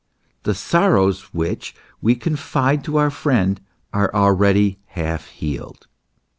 The sorrows which we confide to our friend are already half healed.